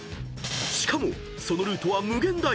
［しかもそのルートは無限大］